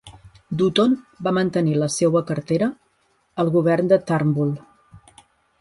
Dutton va mantenir la seua cartera al govern de Turnbull.